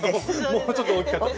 もうちょっと大きかったら。